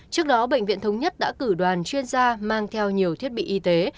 trước đó bệnh viện thống nhất đã cử đoàn chuyên gia mang theo nhiều thiết bị y tế